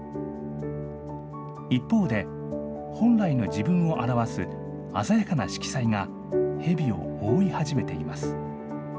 一方で、本来の自分を表す、鮮やかな色彩が、ヘビを覆い始めています。